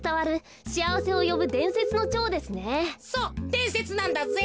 でんせつなんだぜ。